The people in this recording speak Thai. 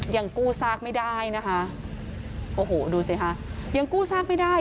ยังกู้ซากไม่ได้นะคะโอ้โหดูสิค่ะยังกู้ซากไม่ได้